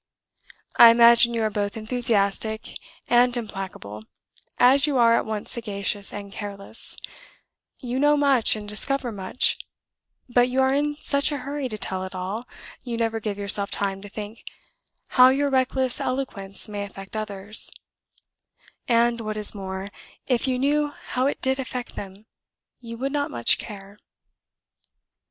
I imagine you are both enthusiastic and implacable, as you are at once sagacious and careless; you know much and discover much, but you are in such a hurry to tell it all you never give yourself time to think how your reckless eloquence may affect others; and, what is more, if you knew how it did affect them, you would not much care.